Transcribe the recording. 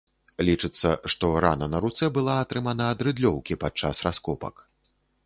Лічыцца, што рана на руцэ была атрымана ад рыдлёўкі падчас раскопак.